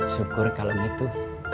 syukur kalau gitu